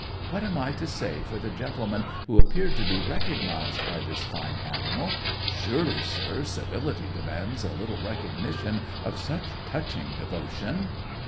What am I to say for the gentleman who appeared to be recognized by this fine animal? Surely, sir, civility demands a little recognition of such touching devotion!"